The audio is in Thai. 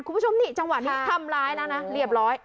คุณผู้ชมนี่จังหวะนี้ทำร้ายแล้วนะเรียบร้อย